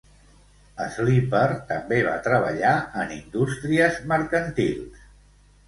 Sleeper també va treballar en indústries mercantils.